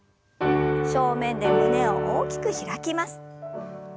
正面で胸を大きく開きます。